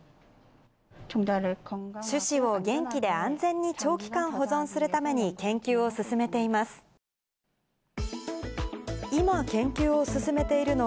種子を元気で安全に長期間保存するために、研究を進めています。